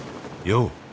よう！